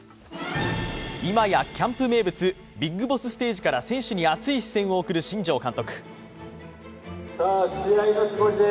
今やキャンプ名物ビッグボスステージから選手に熱い視線を送る新庄監督。